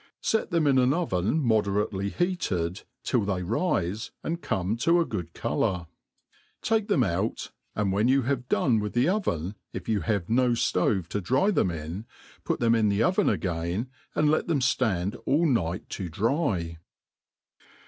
Sec them in an oven moderately heated^ MADE PLAIN AND EASY, 285 heated, till they rife and come to a good colour ; take them out ; and when you have done with the oven, if you have no ftove to dry them in, put them in the oven again, and lee them ftand all night to dry.